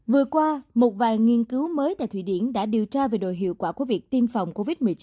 vừa qua một vài nghiên cứu mới tại thụy điển đã điều tra về đội hiệu quả của việc tiêm phòng covid một mươi chín